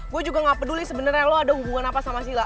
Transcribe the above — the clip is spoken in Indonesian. gue juga gak peduli sebenarnya lo ada hubungan apa sama sila